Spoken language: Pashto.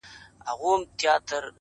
خو زړې کيسې ژوندۍ پاتې دي-